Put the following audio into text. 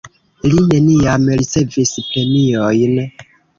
Li neniam ricevis premiojn.